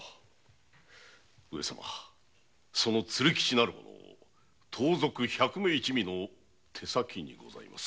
その鶴吉なる者盗賊・百目一味の手先にございます。